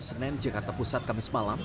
senin jakarta pusat kamis malam